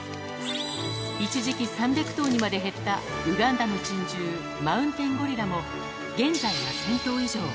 一時期３００頭にまで減ったウガンダの珍獣、マウンテンゴリラも、現在は１０００頭以上。